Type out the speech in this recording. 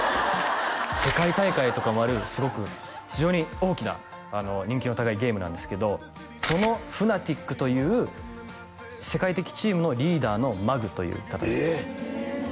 世界大会とかもあるすごく非常に大きな人気の高いゲームなんですけどそのＦＮＡＴＩＣという世界的チームのリーダーのマグという方ですええ！